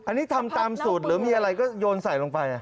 อันนี้ทำตามสูตรหรือมีอะไรก็โยนใส่ลงไป